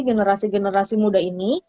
generasi generasi muda ini